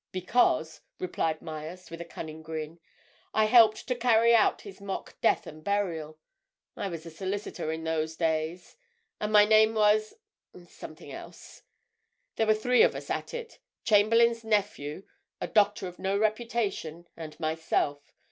"Because," replied Myerst, with a cunning grin, "I helped to carry out his mock death and burial—I was a solicitor in those days, and my name was—something else. There were three of us at it: Chamberlayne's nephew; a doctor of no reputation; and myself.